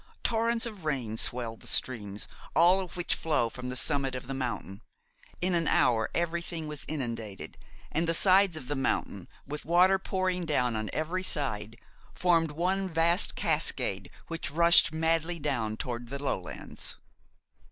Torrents of rain swelled the streams, all of which flow from the summit of the mountain. In an hour, everything was inundated and the sides of the mountain, with water pouring down on every side, formed one vast cascade which rushed madly down toward the lowlands.